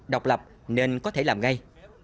độc lập nên có thể làm ngay